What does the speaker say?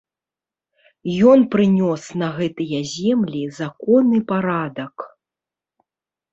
Ён прынёс на гэтыя землі закон і парадак.